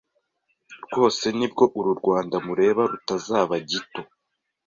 rwose nibwo uru Rwanda mureba rutazaba gito